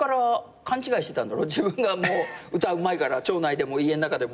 自分が歌うまいから町内でも家ん中でも。